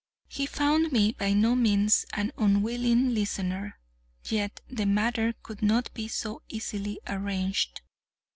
He found me by no means an unwilling listener—yet the matter could not be so easily arranged.